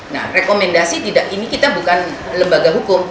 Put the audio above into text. nah rekomendasi tidak ini kita bukan lembaga hukum